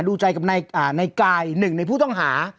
ดูใจกับในกาย๑ในผู้ต้องหา